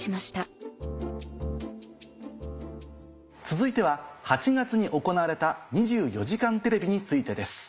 続いては８月に行われた『２４時間テレビ』についてです。